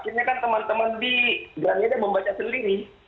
akhirnya kan teman teman di grande membaca sendiri